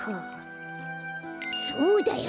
そうだよ！